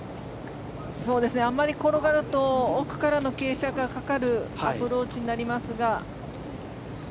あまり転がると奥からの傾斜がかかるアプローチになりますが。